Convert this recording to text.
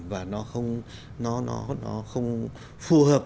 và nó không phù hợp